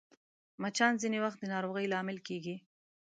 مچان ځینې وخت د ناروغۍ لامل کېږي